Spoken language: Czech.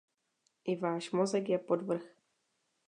I váš mozek je podvrh.